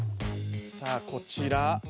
さあこちら。